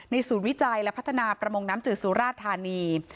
ศูนย์วิจัยและพัฒนาประมงน้ำจืดสุราธานี